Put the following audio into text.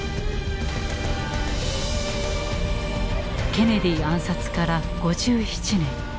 ケネディ暗殺から５７年。